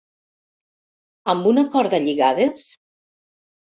Amb una corda lligades?